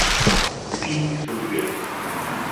Tyčinky jsou dvě.